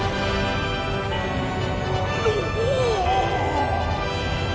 おお！